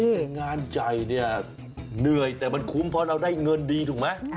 แต่งานใหญ่เนี่ยเหนื่อยแต่มันคุ้มเพราะเราได้เงินดีถูกไหม